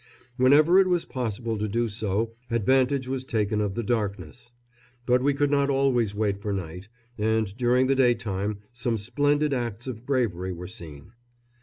Whenever it was possible to do so advantage was taken of the darkness; but we could not always wait for night, and during the daytime some splendid acts of bravery were seen.